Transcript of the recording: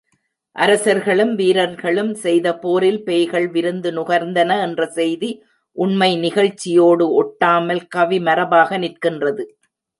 அரசர்களும், வீரர்களும் செய்த போரில் பேய்கள் விருந்து நுகர்ந்தன என்ற செய்தி உண்மை நிகழ்ச்சியோடு ஒட்டாமல், கவிமரபாக நிற்கின்றது.